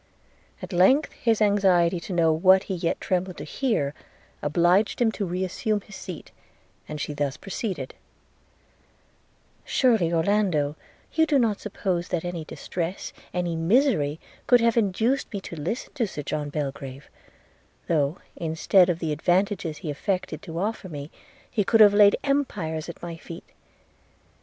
At length his anxiety to know what he yet trembled to hear obliged him to re assume his seat, and she thus proceeded: 'Surely, Orlando, you do not suppose that any distress, any misery, could have induced me to listen to Sir John Belgrave, though, instead of the advantages he affected to offer me, he could have laid empires at my feet.